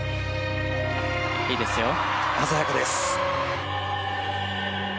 鮮やかです。